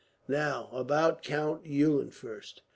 "Now, about Count Eulenfurst.